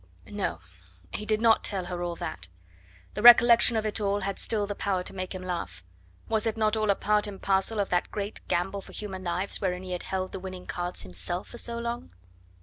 No! he did not tell her all that; the recollection of it all had still the power to make him laugh; was it not all a part and parcel of that great gamble for human lives wherein he had held the winning cards himself for so long?